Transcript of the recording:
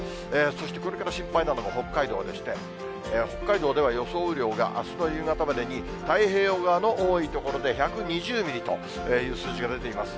そして、これから心配なのが北海道でして、北海道では予想雨量が、あすの夕方までに、太平洋側の多い所で１２０ミリという数字が出ています。